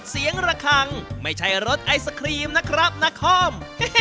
เสียงระคังไม่ใช่รสไอศครีมนะครับนาคอม